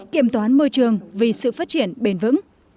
kiểm toán môi trường vì sự phát triển bền vững